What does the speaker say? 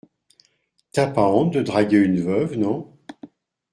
T’as pas honte de draguer une veuve, non ?